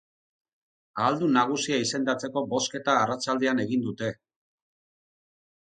Ahaldun nagusia izendatzeko bozketa arratsaldean egin dute.